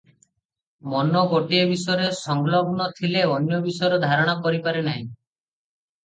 ମନ ଗୋଟାଏ ବିଷୟରେ ସଂଲଗ୍ନ ଥିଲେ ଅନ୍ୟ ବିଷୟ ଧାରଣା କରିପାରେ ନାହିଁ ।